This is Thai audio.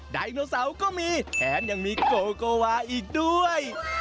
ไดโนเสาร์ก็มีแถมยังมีโกโกวาอีกด้วย